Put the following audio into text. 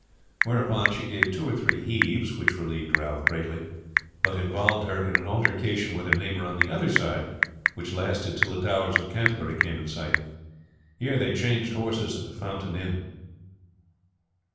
Whereupon she gave two or three heaves, which relieved Ralph greatly, but involved her in an altercation with her neighbor on the other side, which lasted till the towers of Canterbury came in sight. Here they changed horses at the Fountain Inn.